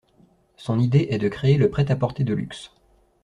Son idée est de créer le prêt-à-porter de luxe.